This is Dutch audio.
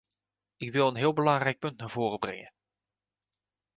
Ik wil een heel belangrijk punt naar voren brengen.